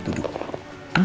kalak banget sih ya